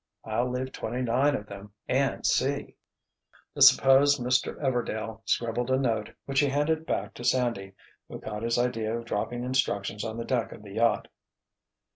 I'll leave twenty nine of them—and see." The supposed Mr. Everdail scribbled a note which he handed back to Sandy, who caught his idea of dropping instructions on the deck of the yacht.